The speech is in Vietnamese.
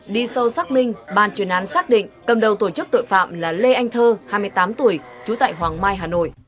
đi sâu xác minh bàn chuyên án xác định cầm đầu tổ chức tội phạm là lê anh thơ hai mươi tám tuổi trú tại hoàng mai hà nội